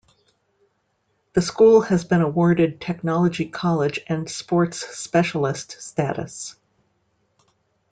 The school has been awarded Technology College and Sports specialist status.